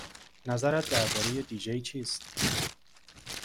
نظرت درباره دی جی چیست؟